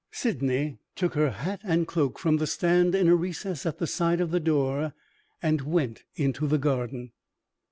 Sydney took her hat and cloak from the stand in a recess at the side of the door, and went into the garden.